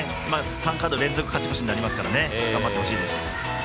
３カード連続勝ち越しになりますから頑張ってほしいです。